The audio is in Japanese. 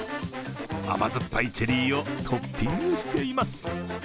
甘酸っぱいチェリーをトッピングしています。